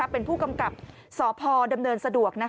เป็นผู้กำกับสพดำเนินสะดวก